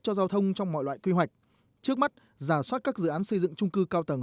cho giao thông trong mọi loại quy hoạch trước mắt giả soát các dự án xây dựng trung cư cao tầng